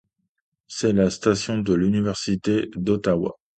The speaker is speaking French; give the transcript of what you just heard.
C'est la station de l'Université d'Ottawa.